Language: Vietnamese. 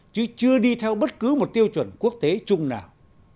chứ chưa đi theo bất cứ một tiêu chuẩn quốc tế chung nào